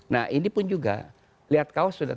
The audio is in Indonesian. nah ini pun juga lihat kaos sudah